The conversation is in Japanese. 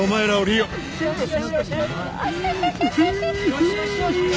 よしよしよし。